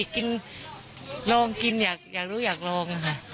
กินลองกินอยากรู้อยากลองค่ะ